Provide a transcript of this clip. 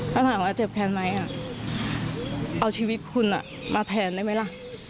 ถ้าถามว่าเจ็บแทนไหมเอาชีวิตคุณมาแทนได้ไหมล่ะ